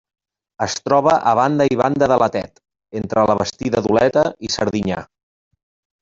Es troba a banda i banda de la Tet, entre la Bastida d'Oleta i Serdinyà.